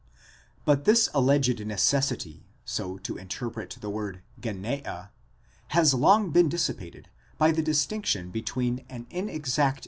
But this alleged necessity so to interpret the word γενεὰ, has long been dissipated by the distinction between an inexact.